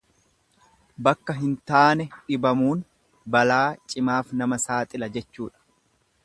Bakka hin taane dhibamuun balaa cimaaf nama saaxila.